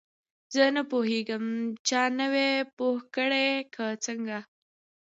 زه نه پوهیږم چا نه وې پوه کړې که څنګه.